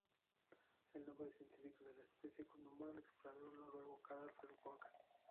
El nombre científico de la especie conmemora al explorador noruego Carl Alfred Bock.